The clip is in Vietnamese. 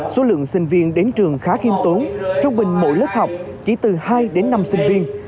số lượng sinh viên đến trường khá khiêm tốn trung bình mỗi lớp học chỉ từ hai đến năm sinh viên